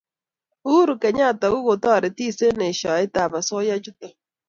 uhuru kenyatta ko kotaretis eng' eshoet ab asoya chutok